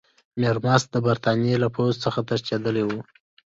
میرمست د برټانیې له پوځ څخه تښتېدلی وو.